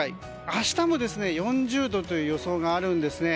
明日も４０度という予想があるんですね。